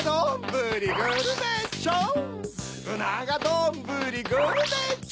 うながどんぶりグルメッチョ！